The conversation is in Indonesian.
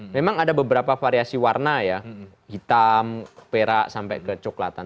memang ada beberapa variasi warna ya hitam perak sampai kecoklatan